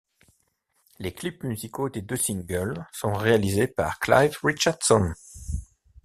Les clips musicaux des deux singles sont réalisés par Clive Richardson.